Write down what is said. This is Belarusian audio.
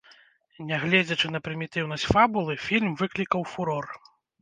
Нягледзячы на прымітыўнасць фабулы, фільм выклікаў фурор.